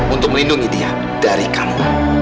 untuk melindungi dia dari kamu